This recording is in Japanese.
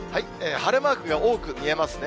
晴れマークが多く見えますね。